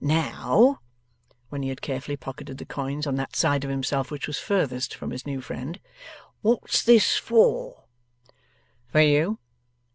Now;' when he had carefully pocketed the coins on that side of himself which was furthest from his new friend; 'what's this for?' 'For you.